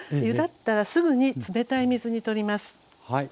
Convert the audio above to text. ゆだったらすぐに冷たい水にとります。